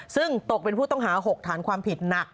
ซึ่งตกเป็นผู้ต้องหา๖ฐานความผิดหนัก